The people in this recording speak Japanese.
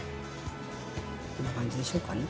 こんな感じでしょうかね。